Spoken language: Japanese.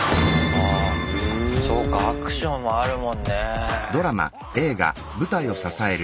ああそうかアクションもあるもんねぇ。